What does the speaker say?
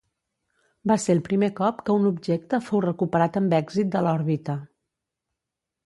Va ser el primer cop que un objecte fou recuperat amb èxit de l'òrbita.